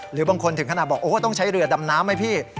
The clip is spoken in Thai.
หรือบางคนถึงขนาดบอกโอ้ต้องใช้เรือดำน้ำไหมพี่